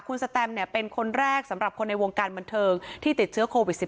คุณสแตมเป็นคนแรกสำหรับคนในวงการบันเทิงที่ติดเชื้อโควิด๑๙